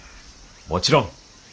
もちろん。